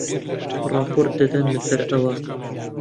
ڕاپۆرت دەدەن لەسەر ئەوە